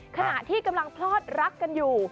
ขณะที่กำลังพลอดรักกันอยู่